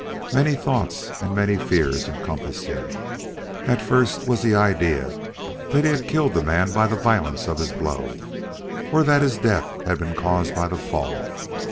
Many thoughts and many fears encompassed him. At first was the idea that he had killed the man by the violence of his blow, or that his death had been caused by the fall.